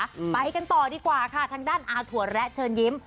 อืมไปกันต่อดีกว่าค่ะทางด้านอาถั่วแระเชิญยิ้ม